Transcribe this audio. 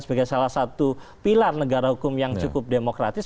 sebagai salah satu pilar negara hukum yang cukup demokratis